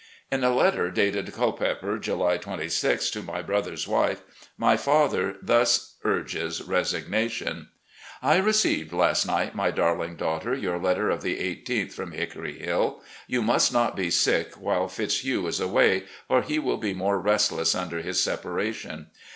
In a letter dated Culpeper, Jtily 26th, to my brother's wife, my father thus tuges resignation :" I received, last night, my darling daughter, your let ter of the 1 8th from 'Hickory Hill.' ... You must not be sick while Fitzhugh is away, or he will be more restless tmder his separation.